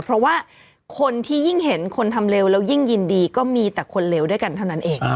เพราะว่าคนที่ยิ่งเห็นคนทำเร็วแล้วยิ่งยินดีก็มีแต่คนเลวด้วยกันเท่านั้นเอง